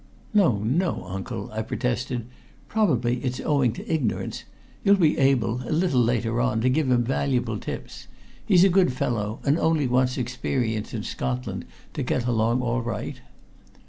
"No, no, uncle," I protested. "Probably it's owing to ignorance. You'll be able, a little later on, to give him valuable tips. He's a good fellow, and only wants experience in Scotland to get along all right."